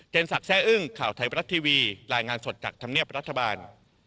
ศักดิ์แซ่อึ้งข่าวไทยบรัฐทีวีรายงานสดจากธรรมเนียบรัฐบาล